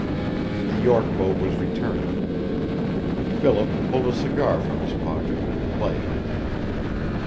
The York boat was returning. Philip pulled a cigar from his pocket and lighted it.